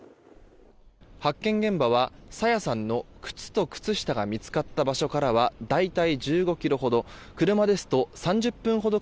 発見現場は朝芽さんの靴と靴下が見つかった場所からは大体、１５ｋｍほど。